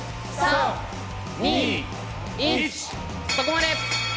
そこまで。